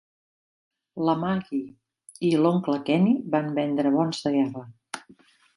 La Maggie i l'oncle Kenny van vendre bons de guerra.